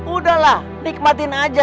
udahlah nikmatin aja